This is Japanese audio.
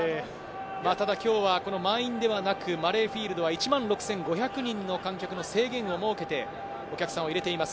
ただ今日は満員ではなく、マレーフィールドは１万６５００人の観客の制限を設けて、お客さんを入れています。